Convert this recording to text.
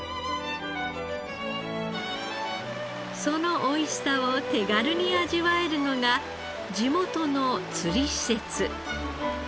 そのおいしさを手軽に味わえるのが地元の釣り施設。